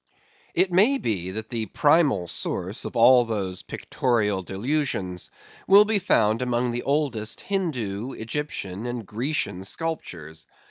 It may be that the primal source of all those pictorial delusions will be found among the oldest Hindoo, Egyptian, and Grecian sculptures.